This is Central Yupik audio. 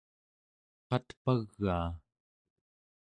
qatpagaa